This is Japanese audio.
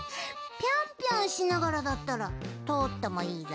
ぴょんぴょんしながらだったらとおってもいいぞ。